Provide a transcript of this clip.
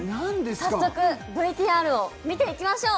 早速ＶＴＲを見ていきましょう！